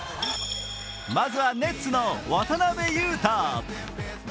まずはネッツの渡邊雄太。